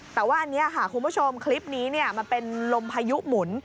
แต่ว่าอันนี้ค่ะคุณผู้ชมคลิปนี้มันเป็นลมพายุหมุน